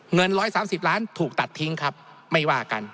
เงิน๑๓๐ล้านถูกตัดทิ้งครับไม่ว่ากัน